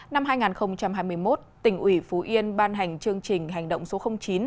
năm hai nghìn hai mươi một tỉnh ủy phú yên ban hành chương trình hành động số chín